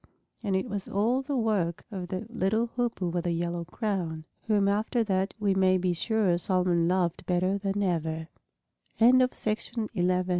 And it was all the work of that little Hoopoe with a yellow crown, whom after that we may be sure Solomon loved better than eve